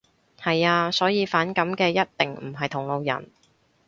係呀。所以反感嘅一定唔係同路人